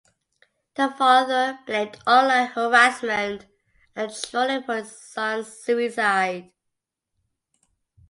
The father blamed online harassment and trolling for his son’s suicide.